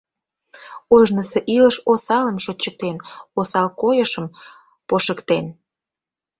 Ожнысо илыш осалым шочыктен, осал койышым пошыктен.